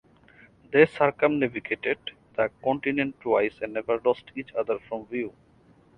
They circumnavigated the continent twice and never lost each other from view.